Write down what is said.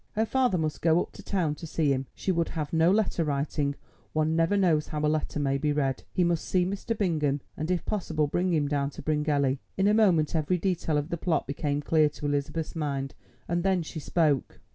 Her father must go up to town to see him, she would have no letter writing; one never knows how a letter may be read. He must see Mr. Bingham, and if possible bring him down to Bryngelly. In a moment every detail of the plot became clear to Elizabeth's mind, and then she spoke.